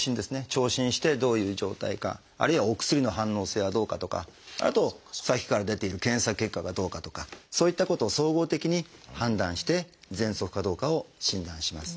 聴診してどういう状態かあるいはお薬の反応性はどうかとかあとさっきから出ている検査結果がどうかとかそういったことを総合的に判断してぜんそくかどうかを診断します。